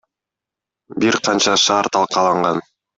Бир канча шаар талкаланган.